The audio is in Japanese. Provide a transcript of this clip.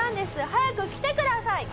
早く来てください！